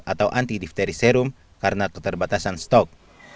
atau anti difteri serum karena keterbatasan stok